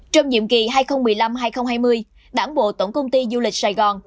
trong nhiệm kỳ hai nghìn một mươi năm hai nghìn hai mươi đảng bộ tổng công ty du lịch sài gòn